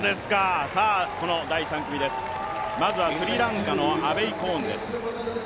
この第３組ですまずはスリランカのアレイ・コーンです。